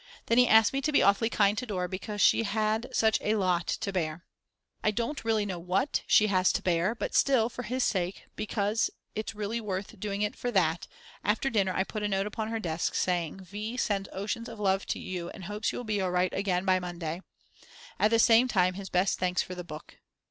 Then he asked me to be awfully kind to Dora because she had such a lot to bear. I don't really know what she has to bear, but still, for his sake, because it's really worth doing it for that, after dinner I put a note upon her desk, saying: V. sends oceans of love to you and hopes you will be all right again by Monday. At the same time his best thanks for the book.